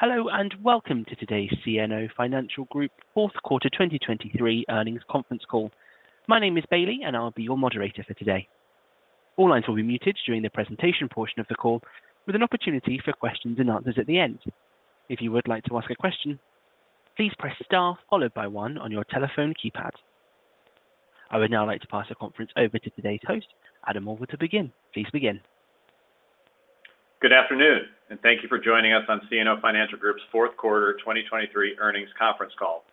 Hello, and welcome to today's CNO Financial Group fourth quarter 2023 earnings conference call. My name is Bailey, and I'll be your moderator for today. All lines will be muted during the presentation portion of the call, with an opportunity for questions and answers at the end. If you would like to ask a question, please press star followed by one on your telephone keypad. I would now like to pass the conference over to today's host, Adam Auvil, to begin. Please begin. Good afternoon, and thank you for joining us on CNO Financial Group's fourth quarter 2023 earnings conference call.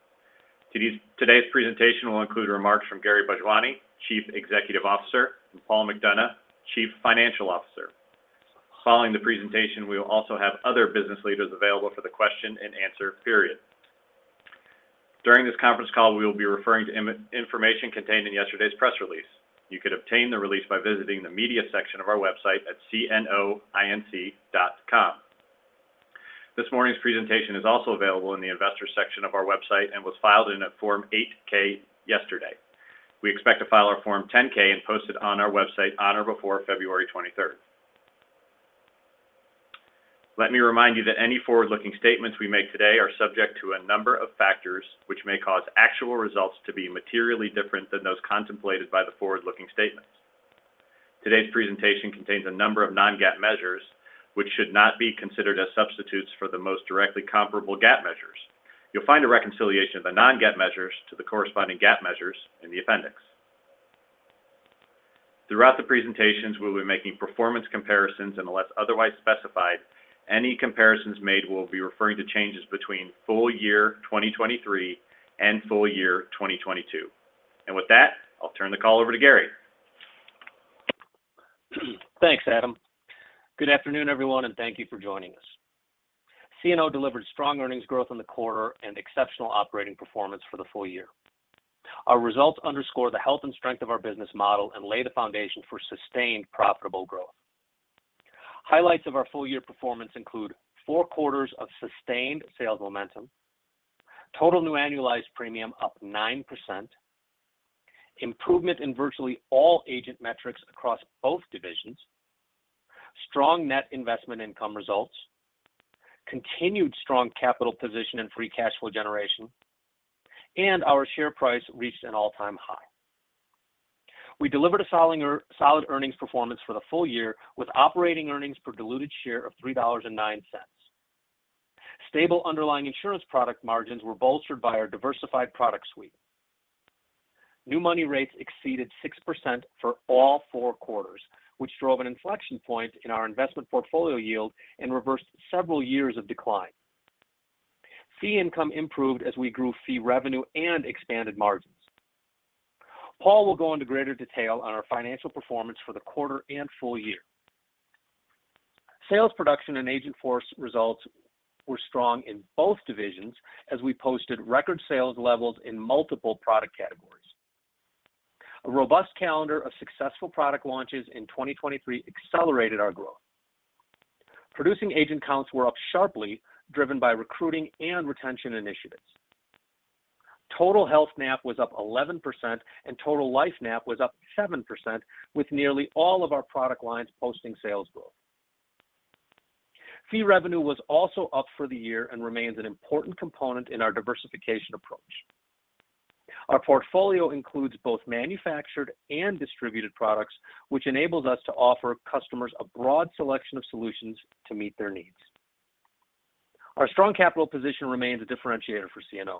Today's presentation will include remarks from Gary Bhojwani, Chief Executive Officer, and Paul McDonough, Chief Financial Officer. Following the presentation, we will also have other business leaders available for the question and answer period. During this conference call, we will be referring to information contained in yesterday's press release. You could obtain the release by visiting the Media section of our website at cnoinc.com. This morning's presentation is also available in the Investor section of our website and was filed in a Form 8-K yesterday. We expect to file our Form 10-K and post it on our website on or before February 23rd. Let me remind you that any forward-looking statements we make today are subject to a number of factors, which may cause actual results to be materially different than those contemplated by the forward-looking statements. Today's presentation contains a number of non-GAAP measures, which should not be considered as substitutes for the most directly comparable GAAP measures. You'll find a reconciliation of the non-GAAP measures to the corresponding GAAP measures in the appendix. Throughout the presentations, we'll be making performance comparisons; unless otherwise specified, any comparisons made will be referring to changes between full year 2023 and full year 2022. With that, I'll turn the call over to Gary. Thanks, Adam. Good afternoon, everyone, and thank you for joining us. CNO delivered strong earnings growth in the quarter and exceptional operating performance for the full year. Our results underscore the health and strength of our business model and lay the foundation for sustained, profitable growth. Highlights of our full year performance include four quarters of sustained sales momentum, total new annualized premium up 9%, improvement in virtually all agent metrics across both divisions, strong net investment income results, continued strong capital position and free cash flow generation, and our share price reached an all-time high. We delivered a solid earnings performance for the full year, with operating earnings per diluted share of $3.09. Stable underlying insurance product margins were bolstered by our diversified product suite. New money rates exceeded 6% for all four quarters, which drove an inflection point in our investment portfolio yield and reversed several years of decline. Fee income improved as we grew fee revenue and expanded margins. Paul will go into greater detail on our financial performance for the quarter and full year. Sales production and agent force results were strong in both divisions as we posted record sales levels in multiple product categories. A robust calendar of successful product launches in 2023 accelerated our growth. Producing agent counts were up sharply, driven by recruiting and retention initiatives. Total health NAP was up 11%, and total life NAP was up 7%, with nearly all of our product lines posting sales growth. Fee revenue was also up for the year and remains an important component in our diversification approach. Our portfolio includes both manufactured and distributed products, which enables us to offer customers a broad selection of solutions to meet their needs. Our strong capital position remains a differentiator for CNO.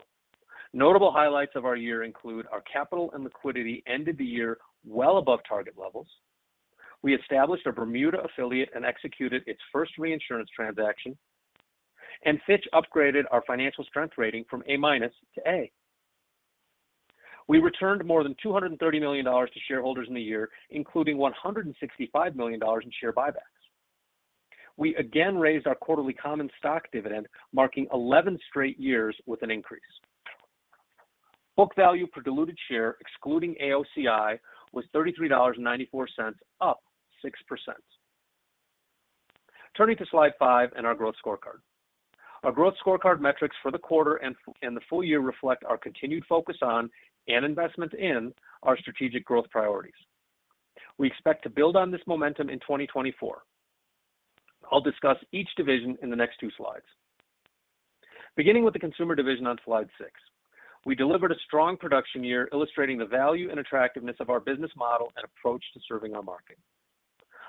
Notable highlights of our year include our capital and liquidity ended the year well above target levels. We established a Bermuda affiliate and executed its first reinsurance transaction, and Fitch upgraded our financial strength rating from A- to A. We returned more than $230 million to shareholders in the year, including $165 million in share buybacks. We again raised our quarterly common stock dividend, marking 11 straight years with an increase. Book value per diluted share, excluding AOCI, was $33.94, up 6%. Turning to slide five and our growth scorecard. Our growth scorecard metrics for the quarter and the full year reflect our continued focus on, and investment in, our strategic growth priorities. We expect to build on this momentum in 2024. I'll discuss each division in the next two slides. Beginning with the consumer division on slide six, we delivered a strong production year, illustrating the value and attractiveness of our business model and approach to serving our market.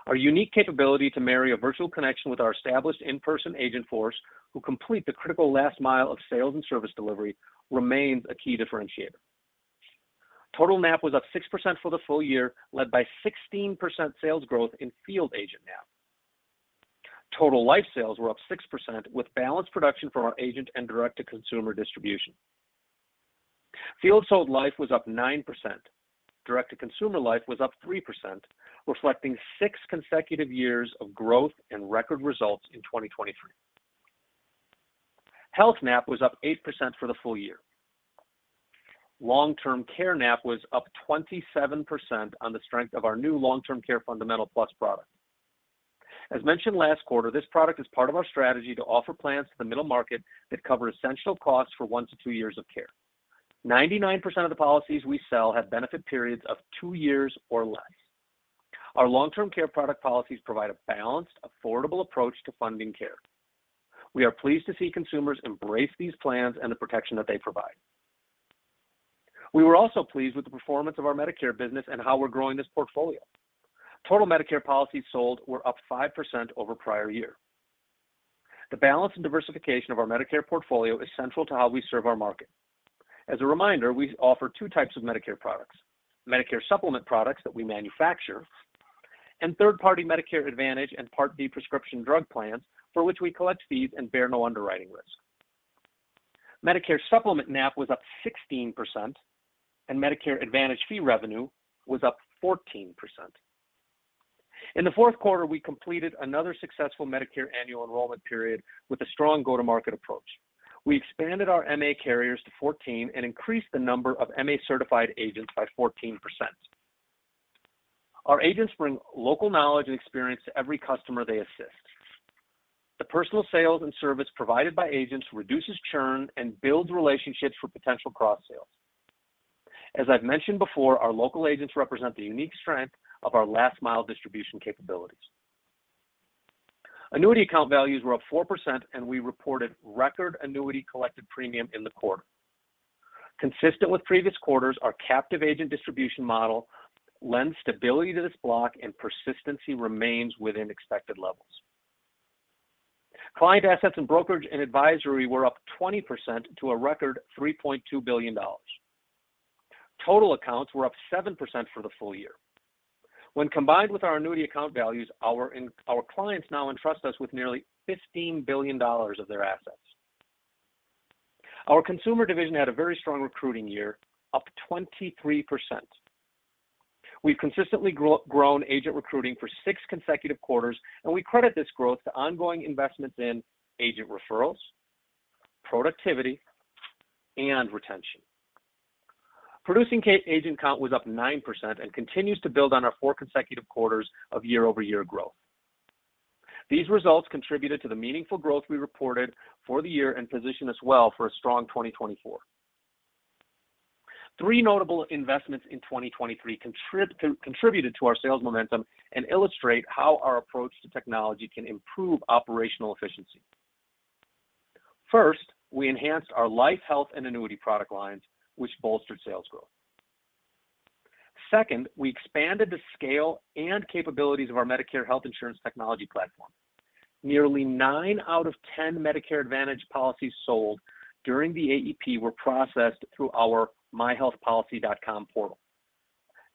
Our unique capability to marry a virtual connection with our established in-person agent force, who complete the critical last mile of sales and service delivery, remains a key differentiator. Total NAP was up 6% for the full year, led by 16% sales growth in field agent NAP. Total life sales were up 6%, with balanced production from our agent and direct-to-consumer distribution. Field sold life was up 9%. Direct-to-consumer life was up 3%, reflecting six consecutive years of growth and record results in 2023. Health NAP was up 8% for the full year. Long-Term Care NAP was up 27% on the strength of our new Long-Term Care Fundamental Plus product. As mentioned last quarter, this product is part of our strategy to offer plans to the middle market that cover essential costs for one to two years of care. 99% of the policies we sell have benefit periods of two years or less. Our Long-Term Care product policies provide a balanced, affordable approach to funding care. We are pleased to see consumers embrace these plans and the protection that they provide. We were also pleased with the performance of our Medicare business and how we're growing this portfolio. Total Medicare policies sold were up 5% over prior year. The balance and diversification of our Medicare portfolio is central to how we serve our market. As a reminder, we offer two types of Medicare products: Medicare Supplement products that we manufacture, and third-party Medicare Advantage and Part D prescription drug plans, for which we collect fees and bear no underwriting risk. Medicare Supplement NAP was up 16%, and Medicare Advantage fee revenue was up 14%. In the fourth quarter, we completed another successful Medicare Annual Enrollment Period with a strong go-to-market approach. We expanded our MA carriers to 14 and increased the number of MA-certified agents by 14%. Our agents bring local knowledge and experience to every customer they assist. The personal sales and service provided by agents reduces churn and builds relationships for potential cross-sales. As I've mentioned before, our local agents represent the unique strength of our last-mile distribution capabilities. Annuity account values were up 4%, and we reported record annuity collected premium in the quarter. Consistent with previous quarters, our captive agent distribution model lends stability to this block, and persistency remains within expected levels. Client assets and brokerage and advisory were up 20% to a record $3.2 billion. Total accounts were up 7% for the full year. When combined with our annuity account values, our clients now entrust us with nearly $15 billion of their assets. Our consumer division had a very strong recruiting year, up 23%. We've consistently grown agent recruiting for six consecutive quarters, and we credit this growth to ongoing investments in agent referrals, productivity, and retention. Producing agent count was up 9% and continues to build on our four consecutive quarters of year-over-year growth. These results contributed to the meaningful growth we reported for the year and position us well for a strong 2024. Three notable investments in 2023 contributed to our sales momentum and illustrate how our approach to technology can improve operational efficiency. First, we enhanced our life, health, and annuity product lines, which bolstered sales growth. Second, we expanded the scale and capabilities of our Medicare health insurance technology platform. Nearly nine out of 10 Medicare Advantage policies sold during the AEP were processed through our myhealthpolicy.com portal.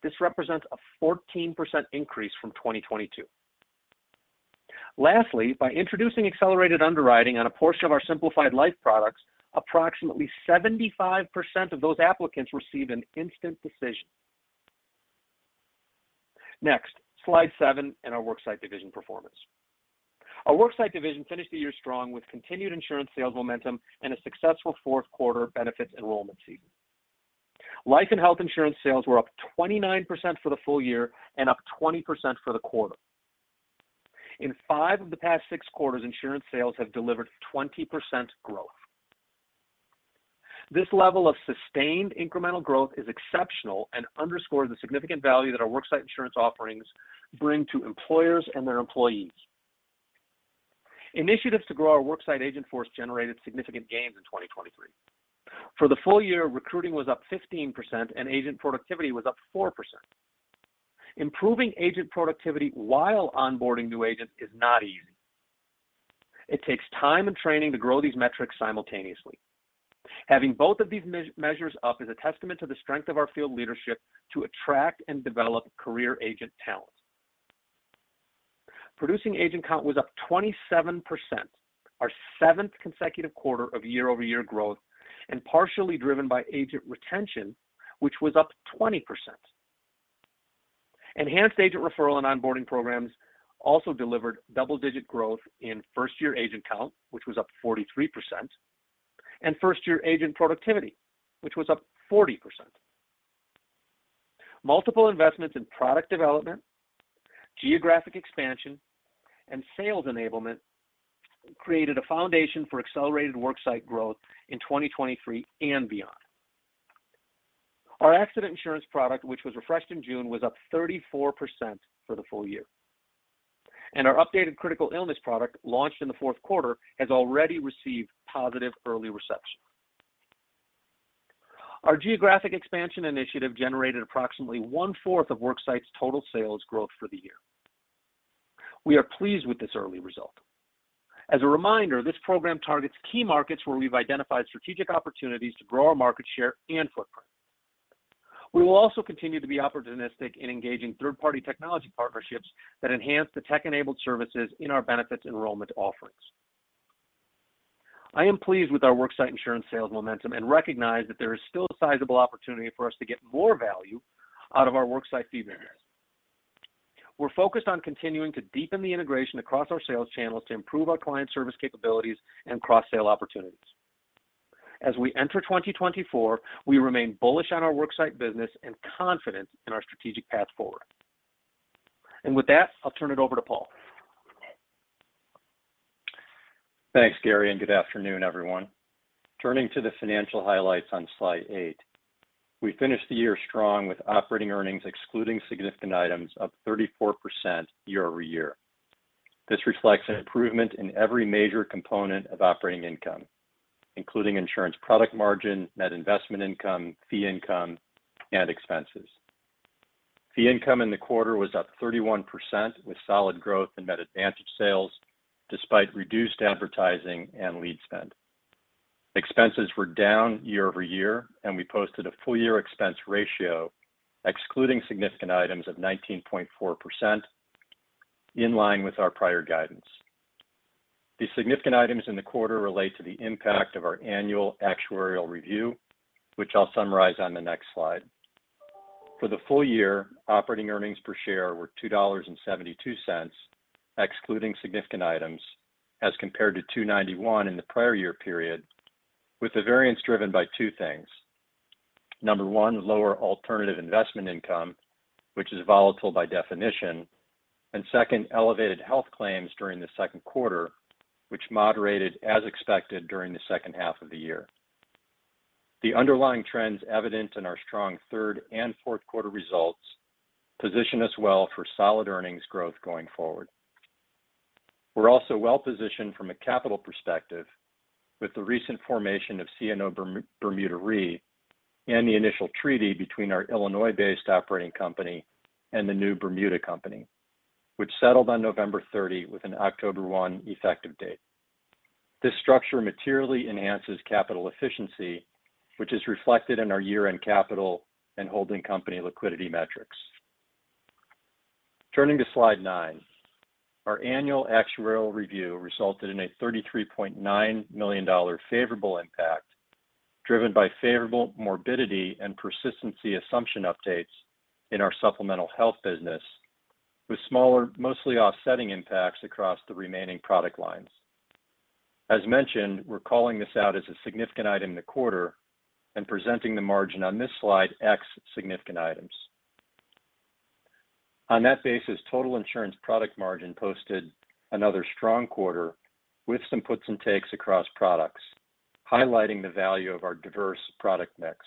This represents a 14% increase from 2022. Lastly, by introducing accelerated underwriting on a portion of our simplified life products, approximately 75% of those applicants received an instant decision. Next, slide 7 in our Worksite division performance. Our Worksite division finished the year strong with continued insurance sales momentum and a successful fourth quarter benefits enrollment season. Life and health insurance sales were up 29% for the full year and up 20% for the quarter. In five of the past six quarters, insurance sales have delivered 20% growth. This level of sustained incremental growth is exceptional and underscores the significant value that our Worksite insurance offerings bring to employers and their employees. Initiatives to grow our Worksite agent force generated significant gains in 2023. For the full year, recruiting was up 15%, and agent productivity was up 4%. Improving agent productivity while onboarding new agents is not easy. It takes time and training to grow these metrics simultaneously. Having both of these measures up is a testament to the strength of our field leadership to attract and develop career agent talent. Producing agent count was up 27%, our seventh consecutive quarter of year-over-year growth, and partially driven by agent retention, which was up 20%. Enhanced agent referral and onboarding programs also delivered double-digit growth in first-year agent count, which was up 43%, and first-year agent productivity, which was up 40%. Multiple investments in product development, geographic expansion, and sales enablement created a foundation for accelerated Worksite growth in 2023 and beyond. Our accident insurance product, which was refreshed in June, was up 34% for the full year, and our updated critical illness product, launched in the fourth quarter, has already received positive early reception. Our geographic expansion initiative generated approximately one-fourth of Worksite's total sales growth for the year. We are pleased with this early result. As a reminder, this program targets key markets where we've identified strategic opportunities to grow our market share and footprint. We will also continue to be opportunistic in engaging third-party technology partnerships that enhance the tech-enabled services in our benefits enrollment offerings. I am pleased with our Worksite insurance sales momentum and recognize that there is still a sizable opportunity for us to get more value out of our Worksite fee variance. We're focused on continuing to deepen the integration across our sales channels to improve our client service capabilities and cross-sale opportunities. As we enter 2024, we remain bullish on our Worksite business and confident in our strategic path forward. With that, I'll turn it over to Paul. Thanks, Gary, and good afternoon, everyone. Turning to the financial highlights on slide eight, we finished the year strong with operating earnings, excluding significant items, up 34% year-over-year. This reflects an improvement in every major component of operating income, including insurance, product margin, net investment income, fee income, and expenses. Fee income in the quarter was up 31%, with solid growth in Med Advantage sales, despite reduced advertising and lead spend. Expenses were down year-over-year, and we posted a full year expense ratio, excluding significant items at 19.4%, in line with our prior guidance. The significant items in the quarter relate to the impact of our annual actuarial review, which I'll summarize on the next slide. For the full year, operating earnings per share were $2.72, excluding significant items, as compared to $2.91 in the prior year period, with the variance driven by two things. Number one, lower alternative investment income, which is volatile by definition. And second, elevated health claims during the second quarter, which moderated as expected during the second half of the year. The underlying trends evident in our strong third and fourth quarter results, position us well for solid earnings growth going forward. We're also well positioned from a capital perspective with the recent formation of CNO Bermuda Re, and the initial treaty between our Illinois-based operating company and the new Bermuda company, which settled on November 30, with an October 1 effective date. This structure materially enhances capital efficiency, which is reflected in our year-end capital and holding company liquidity metrics. Turning to slide nine. Our annual actuarial review resulted in a $33.9 million favorable impact, driven by favorable morbidity and persistency assumption updates in our supplemental health business, with smaller, mostly offsetting impacts across the remaining product lines. As mentioned, we're calling this out as a significant item in the quarter and presenting the margin on this slide, ex significant items. On that basis, total insurance product margin posted another strong quarter with some puts and takes across products, highlighting the value of our diverse product mix.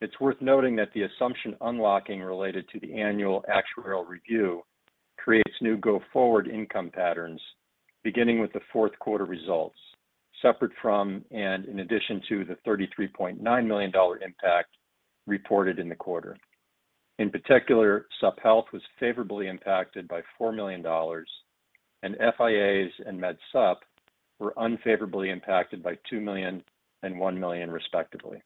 It's worth noting that the assumption unlocking related to the annual actuarial review creates new go-forward income patterns, beginning with the fourth quarter results, separate from and in addition to the $33.9 million impact reported in the quarter. In particular, Sup Health was favorably impacted by $4 million, and FIAs and Med Sup were unfavorably impacted by $2 million and $1 million, respectively.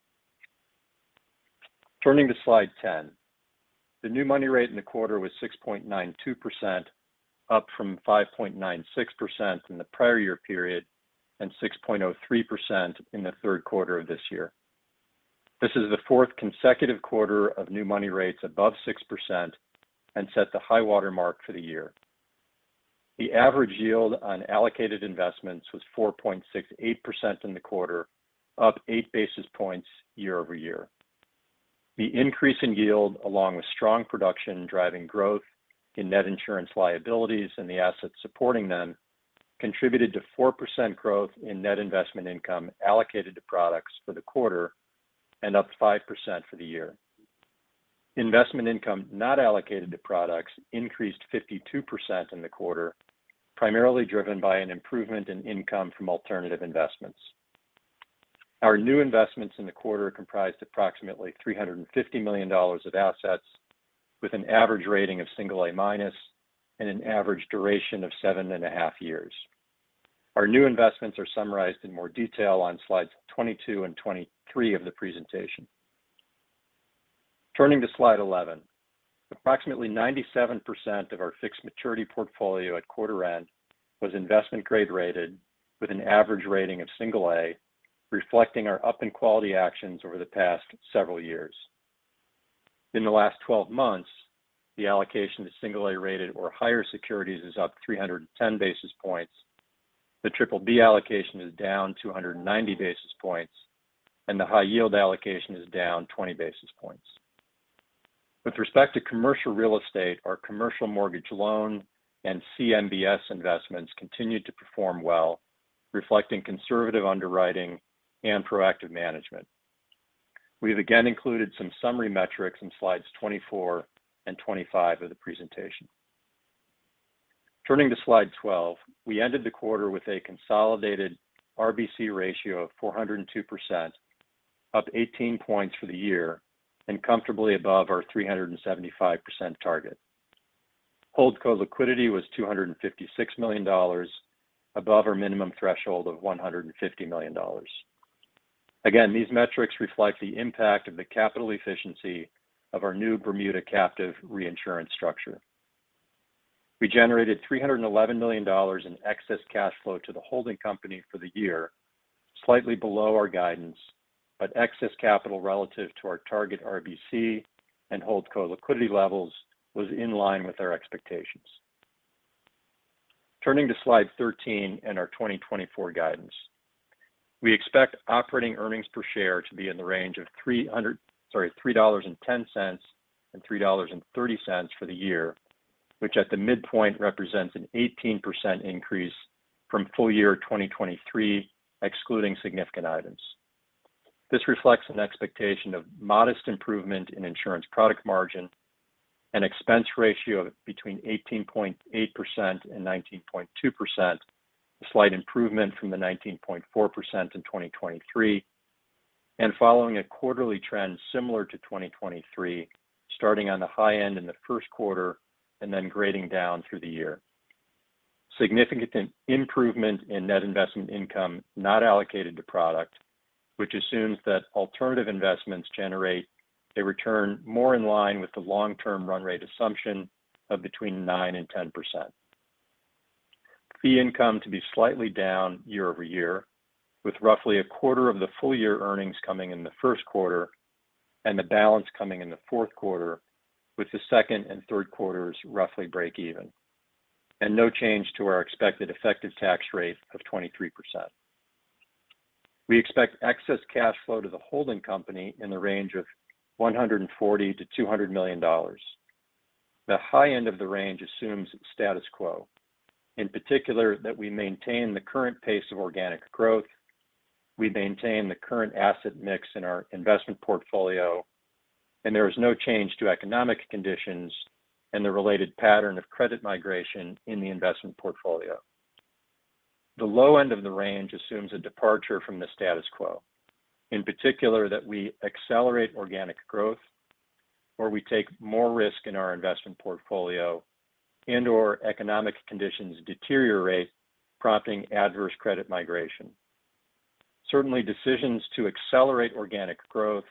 Turning to slide 10. The new money rate in the quarter was 6.92%, up from 5.96% in the prior year period, and 6.03% in the third quarter of this year. This is the fourth consecutive quarter of new money rates above 6% and set the high-water mark for the year. The average yield on allocated investments was 4.68% in the quarter, up 8 basis points year-over-year. The increase in yield, along with strong production, driving growth in net insurance liabilities and the assets supporting them, contributed to 4% growth in net investment income allocated to products for the quarter and up 5% for the year. Investment income not allocated to products increased 52% in the quarter, primarily driven by an improvement in income from alternative investments. Our new investments in the quarter comprised approximately $350 million of assets, with an average rating of single A- and an average duration of 7.5 years. Our new investments are summarized in more detail on slides 22 and 23 of the presentation. Turning to slide 11. Approximately 97% of our fixed maturity portfolio at quarter end was investment grade rated, with an average rating of single A, reflecting our up and quality actions over the past several years. In the last 12 months, the allocation to single A-rated or higher securities is up 310 basis points. The triple B allocation is down 290 basis points, and the high yield allocation is down 20 basis points. With respect to commercial real estate, our commercial mortgage loan and CMBS investments continued to perform well, reflecting conservative underwriting and proactive management. We've again included some summary metrics in slides 24 and 25 of the presentation. Turning to slide 12, we ended the quarter with a consolidated RBC ratio of 402%, up 18 points for the year, and comfortably above our 375% target. Holdco liquidity was $256 million above our minimum threshold of $150 million. Again, these metrics reflect the impact of the capital efficiency of our new Bermuda captive reinsurance structure. We generated $311 million in excess cash flow to the holding company for the year, slightly below our guidance, but excess capital relative to our target RBC and Holdco liquidity levels was in line with our expectations. Turning to slide 13 and our 2024 guidance. We expect operating earnings per share to be in the range of $3.10-$3.30 for the year, which at the midpoint represents an 18% increase from full year 2023, excluding significant items. This reflects an expectation of modest improvement in insurance product margin and expense ratio between 18.8% and 19.2%. A slight improvement from the 19.4% in 2023, and following a quarterly trend similar to 2023, starting on the high end in the first quarter and then grading down through the year. Significant improvement in net investment income not allocated to product, which assumes that alternative investments generate a return more in line with the long-term run rate assumption of between 9% and 10%. Fee income to be slightly down year-over-year, with roughly a quarter of the full year earnings coming in the first quarter and the balance coming in the fourth quarter, with the second and third quarters roughly break even, and no change to our expected effective tax rate of 23%. We expect excess cash flow to the holding company in the range of $140 million-$200 million. The high end of the range assumes status quo. In particular, that we maintain the current pace of organic growth, we maintain the current asset mix in our investment portfolio, and there is no change to economic conditions and the related pattern of credit migration in the investment portfolio. The low end of the range assumes a departure from the status quo. In particular, that we accelerate organic growth, or we take more risk in our investment portfolio, and/or economic conditions deteriorate, prompting adverse credit migration. Certainly, decisions to accelerate organic growth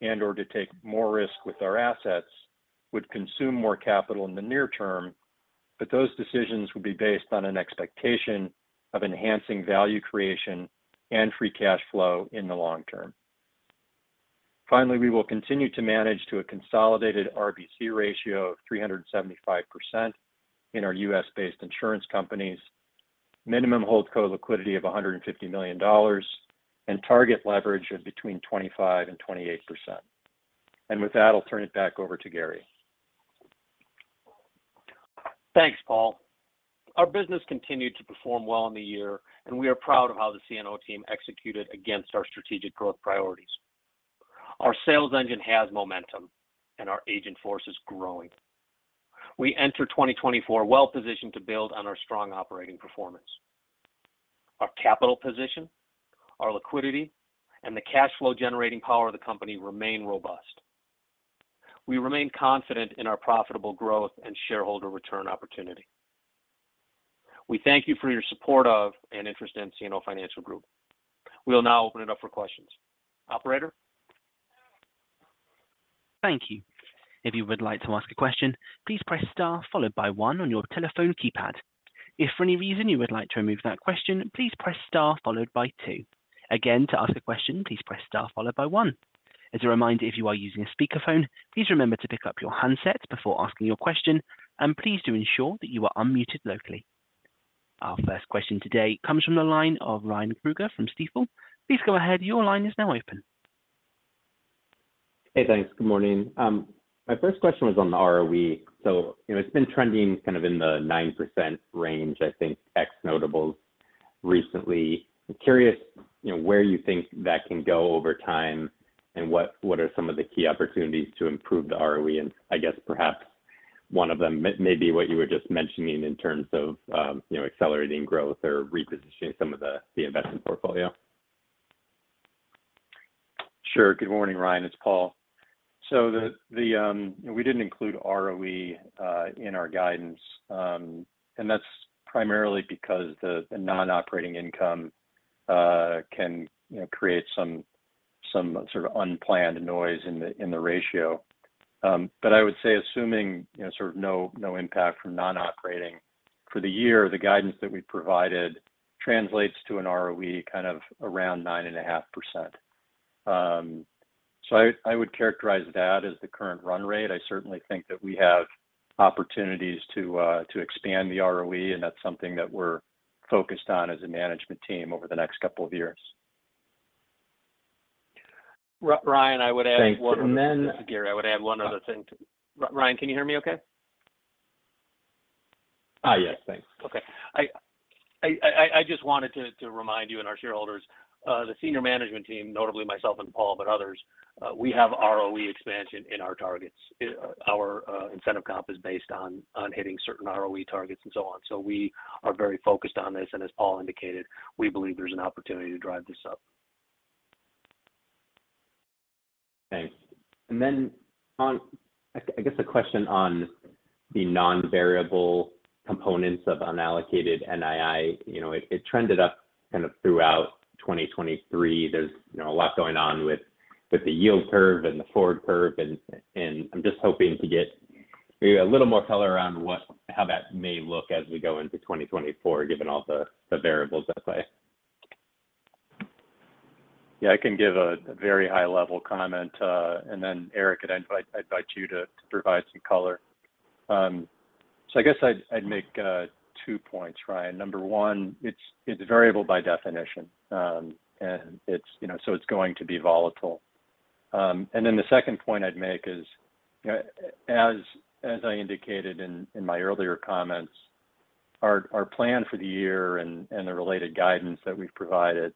and/or to take more risk with our assets would consume more capital in the near term, but those decisions would be based on an expectation of enhancing value creation and free cash flow in the long term. Finally, we will continue to manage to a consolidated RBC ratio of 375% in our U.S.-based insurance companies, minimum holdco liquidity of $150 million, and target leverage of between 25% and 28%. With that, I'll turn it back over to Gary. Thanks, Paul. Our business continued to perform well in the year, and we are proud of how the CNO team executed against our strategic growth priorities. Our sales engine has momentum and our agent force is growing. We enter 2024 well positioned to build on our strong operating performance. Our capital position, our liquidity, and the cash flow generating power of the company remain robust. We remain confident in our profitable growth and shareholder return opportunity. We thank you for your support of and interest in CNO Financial Group. We will now open it up for questions. Operator? Thank you. If you would like to ask a question, please press star followed by one on your telephone keypad. If for any reason you would like to remove that question, please press star followed by two. Again, to ask a question, please press star followed by one. As a reminder, if you are using a speakerphone, please remember to pick up your handset before asking your question, and please do ensure that you are unmuted locally. Our first question today comes from the line of Ryan Krueger from Stifel. Please go ahead. Your line is now open. Hey, thanks. Good morning. My first question was on the ROE. So, you know, it's been trending kind of in the 9% range, I think, ex notables recently. I'm curious, you know, where you think that can go over time and what are some of the key opportunities to improve the ROE? And I guess perhaps one of them may be what you were just mentioning in terms of, you know, accelerating growth or repositioning some of the investment portfolio. Sure. Good morning, Ryan, it's Paul. So we didn't include ROE in our guidance, and that's primarily because the non-operating income can, you know, create some sort of unplanned noise in the ratio. But I would say, assuming, you know, sort of no impact from non-operating for the year, the guidance that we provided translates to an ROE kind of around 9.5%. So I would characterize that as the current run rate. I certainly think that we have opportunities to expand the ROE, and that's something that we're focused on as a management team over the next couple of years. Ryan, I would add one- Thanks. And then- Gary, I would add one other thing to. Ryan, can you hear me okay? Ah, yes, thanks. Okay. I just wanted to remind you and our shareholders, the senior management team, notably myself and Paul, but others, we have ROE expansion in our targets. Our incentive comp is based on hitting certain ROE targets and so on. So we are very focused on this, and as Paul indicated, we believe there's an opportunity to drive this up. Thanks. And then on the non-variable components of unallocated NII. I guess a question. You know, it trended up kind of throughout 2023. There's, you know, a lot going on with the yield curve and the forward curve, and I'm just hoping to get maybe a little more color around how that may look as we go into 2024, given all the variables at play. Yeah, I can give a very high-level comment, and then Eric, I'd invite you to provide some color. So I guess I'd make two points, Ryan. Number one, it's variable by definition, and it's, you know, so it's going to be volatile. And then the second point I'd make is, you know, as I indicated in my earlier comments, our plan for the year and the related guidance that we've provided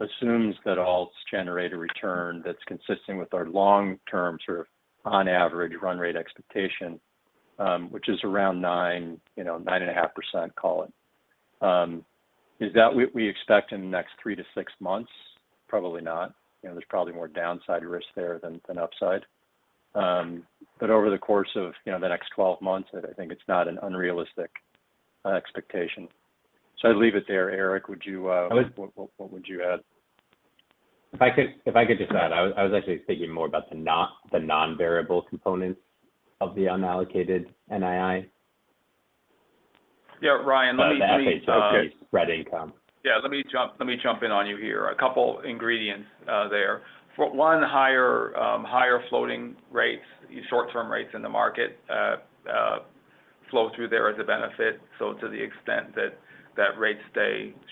assumes that all generate a return that's consistent with our long-term, sort of on average, run rate expectation, which is around 9, you know, 9.5%, call it. Is that what we expect in the next three to six months? Probably not. You know, there's probably more downside risk there than upside. But over the course of, you know, the next 12 months, I think it's not an unrealistic expectation. So I'd leave it there. Eric, would you? I would- What would you add? If I could just add, I was actually thinking more about the non-variable components of the unallocated NII. Yeah, Ryan, let me- Okay. Spread income. Yeah, let me jump in on you here. A couple ingredients there. For one, higher floating rates, short-term rates in the market flow through there as a benefit. So to the extent that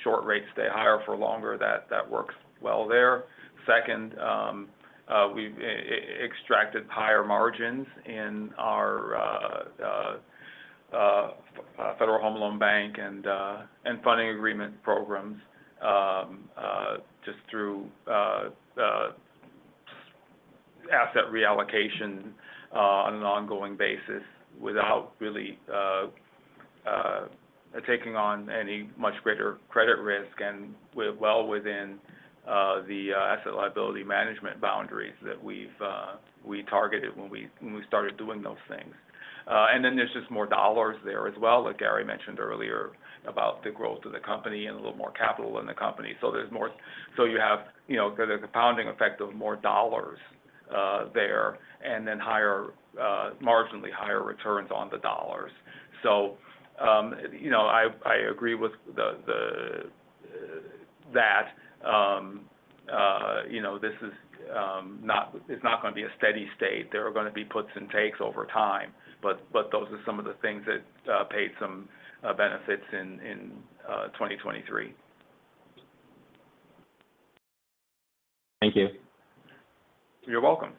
short rates stay higher for longer, that works well there. Second, we've extracted higher margins in our Federal Home Loan Bank and funding agreement programs just through asset reallocation on an ongoing basis without really taking on any much greater credit risk and well within the asset-liability management boundaries that we've targeted when we started doing those things. And then there's just more dollars there as well, like Gary mentioned earlier, about the growth of the company and a little more capital in the company. So there's more, so you have, you know, there's a compounding effect of more dollars, there and then higher, marginally higher returns on the dollars. So, you know, I, I agree with the, the, that, you know, this is, not, it's not going to be a steady state. There are going to be puts and takes over time, but, but those are some of the things that paid some benefits in 2023. Thank you. You're welcome.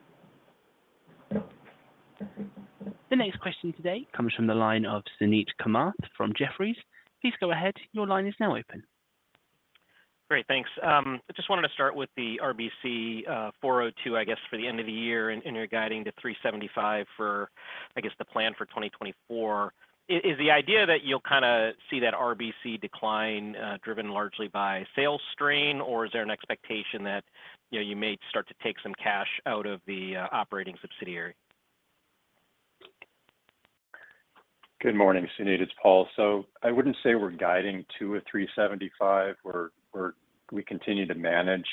The next question today comes from the line of Suneet Kamath from Jefferies. Please go ahead. Your line is now open. Great, thanks. I just wanted to start with the RBC, 402, I guess, for the end of the year, and you're guiding to 375 for, I guess, the plan for 2024. Is, is the idea that you'll kind of see that RBC decline, driven largely by sales strain, or is there an expectation that, you know, you may start to take some cash out of the, operating subsidiary? Good morning, Suneet, it's Paul. So I wouldn't say we're guiding to a 375. We continue to manage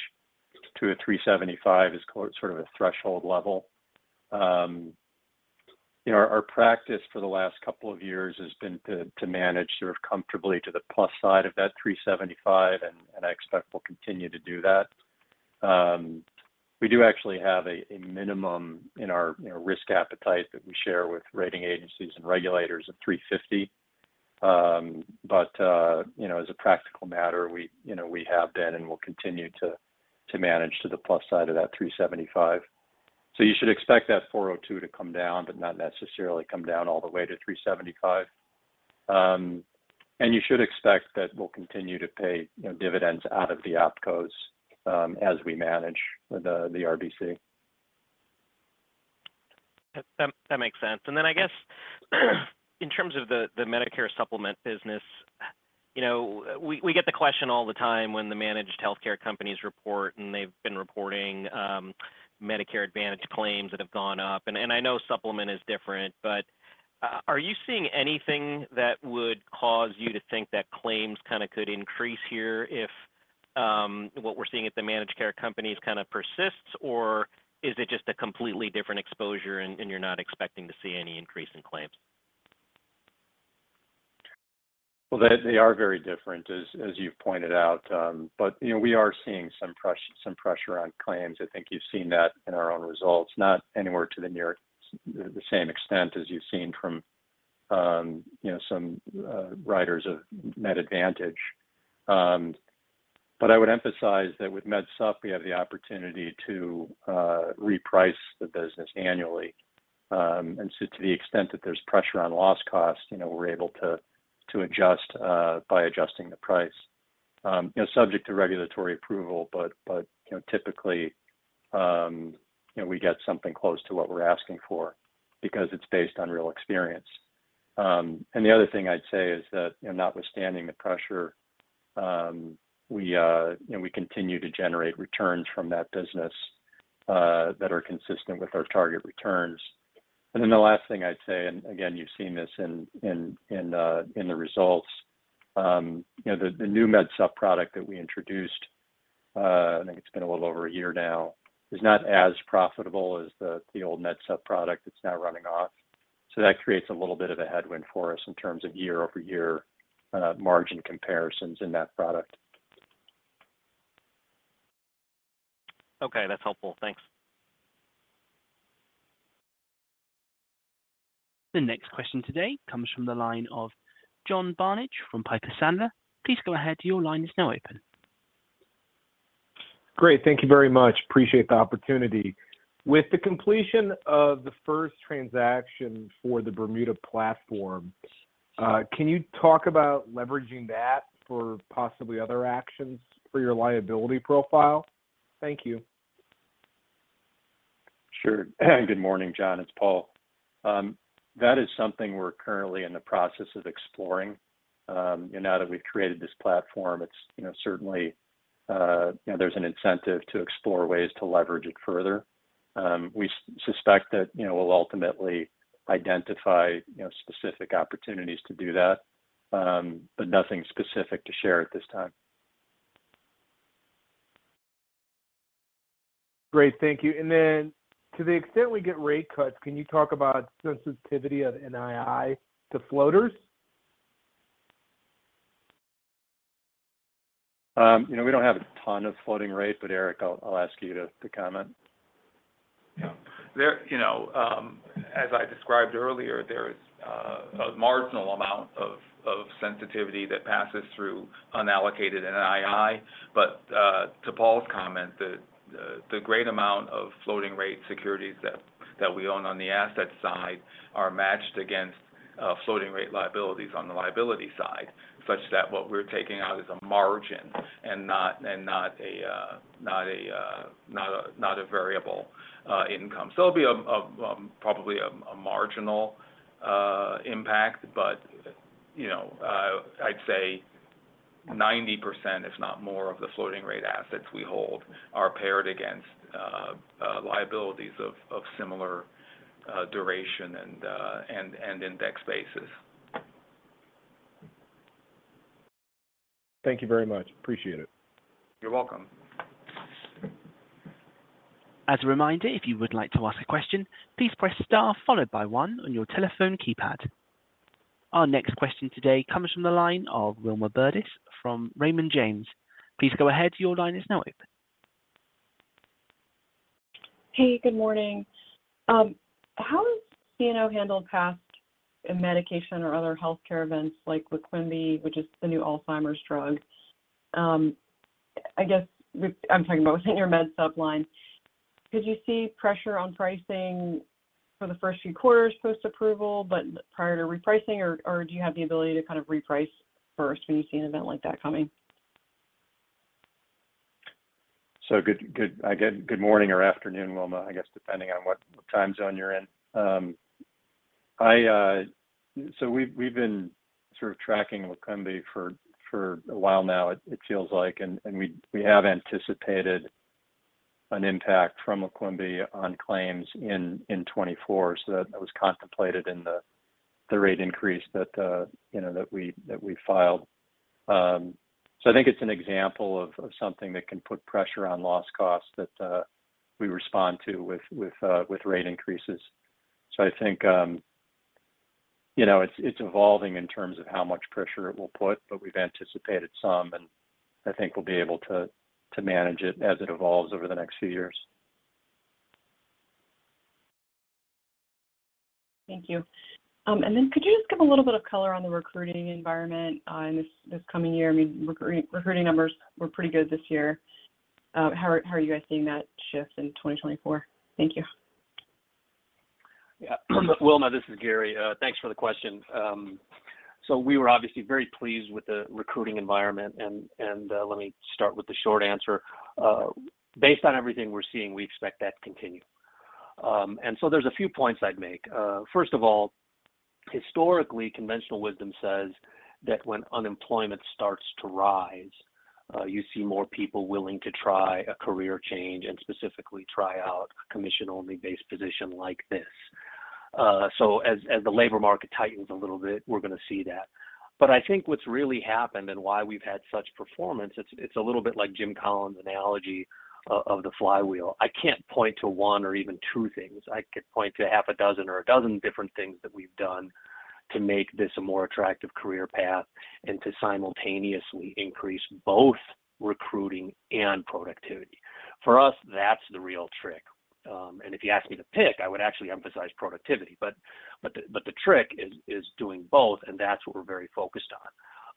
to a 375 is sort of a threshold level. You know, our practice for the last couple of years has been to manage sort of comfortably to the plus side of that 375, and I expect we'll continue to do that. We do actually have a minimum in our, you know, risk appetite that we share with rating agencies and regulators of 350. But, you know, as a practical matter, you know, we have been and will continue to manage to the plus side of that 375. So you should expect that 402 to come down, but not necessarily come down all the way to 375. You should expect that we'll continue to pay, you know, dividends out of the opcos, as we manage the RBC. That makes sense. And then I guess, in terms of the Medicare Supplement business, you know, we get the question all the time when the managed healthcare companies report, and they've been reporting, Medicare Advantage claims that have gone up. And I know supplement is different, but, are you seeing anything that would cause you to think that claims kind of could increase here if, what we're seeing at the managed care companies kind of persists, or is it just a completely different exposure and you're not expecting to see any increase in claims? Well, they are very different, as you pointed out, but, you know, we are seeing some pressure on claims. I think you've seen that in our own results, not anywhere near the same extent as you've seen from, you know, some writers of Med Advantage. But I would emphasize that with Med Sup, we have the opportunity to reprice the business annually. And so to the extent that there's pressure on loss cost, you know, we're able to adjust by adjusting the price. You know, subject to regulatory approval, but, you know, typically, you know, we get something close to what we're asking for because it's based on real experience. And the other thing I'd say is that, you know, notwithstanding the pressure, we continue to generate returns from that business that are consistent with our target returns. And then the last thing I'd say, and again, you've seen this in the results, you know, the new Med Sup product that we introduced, I think it's been a little over a year now, is not as profitable as the old Med Sup product that's now running off. So that creates a little bit of a headwind for us in terms of year-over-year margin comparisons in that product. Okay, that's helpful. Thanks. The next question today comes from the line of John Barnidge from Piper Sandler. Please go ahead. Your line is now open. Great. Thank you very much. Appreciate the opportunity. With the completion of the first transaction for the Bermuda platform, can you talk about leveraging that for possibly other actions for your liability profile? Thank you. Sure. Good morning, John, it's Paul. That is something we're currently in the process of exploring. And now that we've created this platform, it's, you know, certainly, you know, there's an incentive to explore ways to leverage it further. We suspect that, you know, we'll ultimately identify, you know, specific opportunities to do that, but nothing specific to share at this time. Great. Thank you. And then, to the extent we get rate cuts, can you talk about sensitivity of NII to floaters? You know, we don't have a ton of floating rate, but Eric, I'll ask you to comment. Yeah. There, you know, as I described earlier, there is a marginal amount of sensitivity that passes through unallocated NII. But to Paul's comment, the great amount of floating rate securities that we own on the asset side are matched against floating rate liabilities on the liability side, such that what we're taking out is a margin and not a variable income. So it'll be a probably a marginal impact, but you know, I'd say 90%, if not more, of the floating rate assets we hold are paired against liabilities of similar duration and index basis. Thank you very much. Appreciate it. You're welcome. As a reminder, if you would like to ask a question, please press star followed by one on your telephone keypad. Our next question today comes from the line of Wilma Burdis from Raymond James. Please go ahead. Your line is now open. Hey, good morning. How does CNO handle past medication or other healthcare events like LEQEMBI, which is the new Alzheimer's drug? I guess I'm talking about in your med supp line. Could you see pressure on pricing for the first few quarters post-approval, but prior to repricing, or, or do you have the ability to kind of reprice first when you see an event like that coming? Good morning or afternoon, Wilma, I guess, depending on what time zone you're in. So we've been sort of tracking LEQEMBI for a while now, it feels like, and we have anticipated an impact from LEQEMBI on claims in 2024. So that was contemplated in the rate increase that, you know, that we filed. So I think it's an example of something that can put pressure on loss costs that we respond to with rate increases. So I think, you know, it's evolving in terms of how much pressure it will put, but we've anticipated some, and I think we'll be able to manage it as it evolves over the next few years. Thank you. And then could you just give a little bit of color on the recruiting environment in this coming year? I mean, recruiting numbers were pretty good this year. How are you guys seeing that shift in 2024? Thank you. Yeah. Wilma, this is Gary. Thanks for the question. So we were obviously very pleased with the recruiting environment, and let me start with the short answer. Based on everything we're seeing, we expect that to continue. And so there's a few points I'd make. First of all, historically, conventional wisdom says that when unemployment starts to rise, you see more people willing to try a career change, and specifically try out a commission-only-based position like this. So as the labor market tightens a little bit, we're going to see that. But I think what's really happened and why we've had such performance, it's a little bit like Jim Collins' analogy of the flywheel. I can't point to one or even two things. I could point to six or 12 different things that we've done to make this a more attractive career path and to simultaneously increase both recruiting and productivity. For us, that's the real trick. And if you ask me to pick, I would actually emphasize productivity, but the trick is doing both, and that's what we're very focused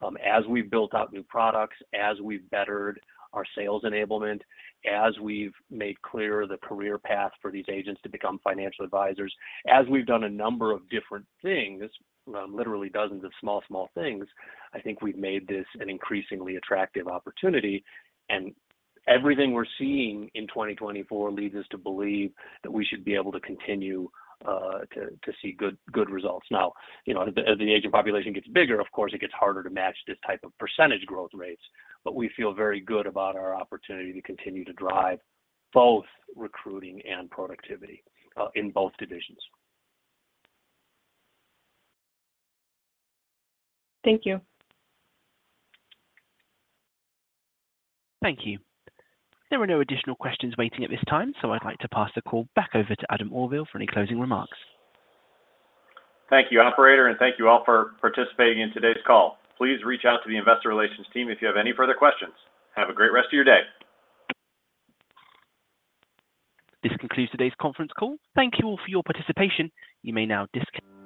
on. As we've built out new products, as we've bettered our sales enablement, as we've made clear the career path for these agents to become financial advisors, as we've done a number of different things, literally dozens of small things, I think we've made this an increasingly attractive opportunity. And everything we're seeing in 2024 leads us to believe that we should be able to continue to see good results. Now, you know, as the aging population gets bigger, of course, it gets harder to match this type of percentage growth rates, but we feel very good about our opportunity to continue to drive both recruiting and productivity, in both divisions. Thank you. Thank you. There are no additional questions waiting at this time, so I'd like to pass the call back over to Adam Auvil for any closing remarks. Thank you, operator, and thank you all for participating in today's call. Please reach out to the investor relations team if you have any further questions. Have a great rest of your day. This concludes today's conference call. Thank you all for your participation. You may now disconnect.